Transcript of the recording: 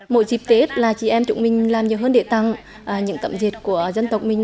mỗi dịp tết là chị em chúng mình làm nhiều hơn để tăng những tậm dệt của dân tộc mình